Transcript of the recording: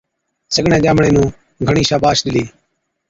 سِگڙَين ڄامڙي نُون گھڻِي شاباش ڏِلِي۔